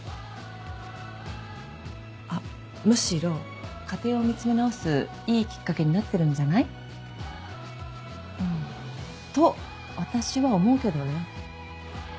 あっむしろ家庭を見つめ直すいいきっかけになってるんじゃない？と私は思うけどね。